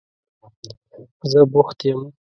زه بوخت یم.